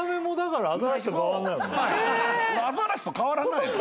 アザラシと変わらないの？